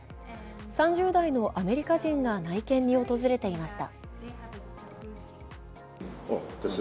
３０代のアメリカ人が内見に訪れていました。